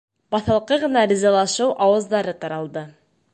Баҫалҡы ғына ризалашыу ауаздары таралды.